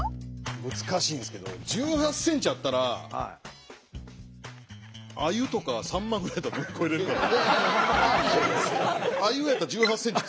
難しいんですけど１８ｃｍあったらアユとかサンマぐらいやったら乗り越えられるかな？